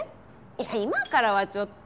いや今からはちょっと。